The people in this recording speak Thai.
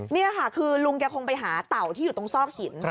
นี่ค่ะคือลุงแกคงไปหาเต่าที่อยู่ตรงซอกหิน